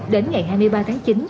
đến ngày hai mươi ba tháng chín